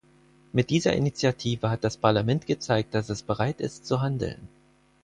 Mit dieser Initiative hat das Parlament gezeigt, dass es bereit ist zu handeln.